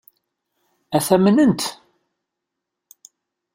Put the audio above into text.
Ad t-amnent?